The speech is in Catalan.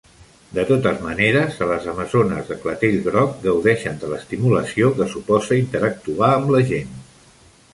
De totes maneres, a les amazones de clatell groc gaudeixen de l'estimulació que suposa interactuar amb la gent.